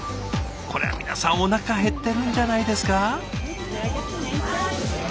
これは皆さんおなか減ってるんじゃないですか？